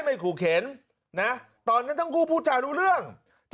ไม่ขู่เข็นตอนนั้นพวกขู่ผู้จะรู้เรื่อง